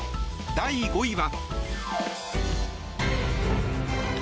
第５位は。